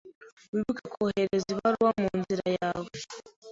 Wibuke kohereza ibaruwa munzira yawe.